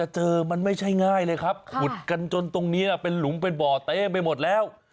ตรงนี้เป็นหลุมเป็นบ่อเต้นไปหมดแล้ว